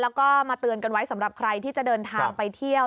แล้วก็มาเตือนกันไว้สำหรับใครที่จะเดินทางไปเที่ยว